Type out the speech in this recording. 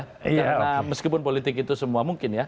karena meskipun politik itu semua mungkin ya